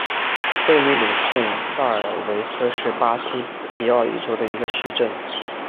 里贝鲁贡萨尔维斯是巴西皮奥伊州的一个市镇。